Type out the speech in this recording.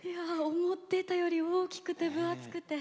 思っていたより大きくて、分厚くて。